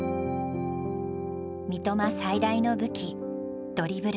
三笘最大の武器ドリブル。